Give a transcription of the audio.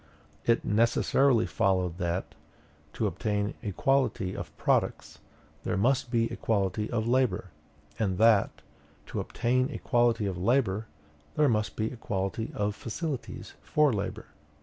It necessarily followed that, to obtain equality of products, there must be equality of labor; and that, to obtain equality of labor, there must be equality of facilities for labor.